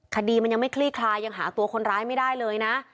คดีมันยังไม่คลี่คลายยังหาตัวคนร้ายไม่ได้เลยนะ